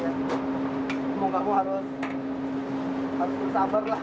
semoga kamu harus sabar lah